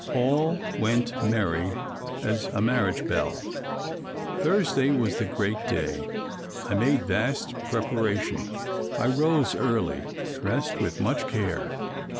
All went merry as a marriage bell. Thursday was the great day. I made vast preparation. I rose early, dressed with much care.